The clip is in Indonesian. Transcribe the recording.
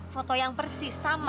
foto yang persis sama